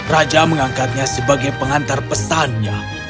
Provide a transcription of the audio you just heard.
raja mengangkatnya sebagai pengantar pesannya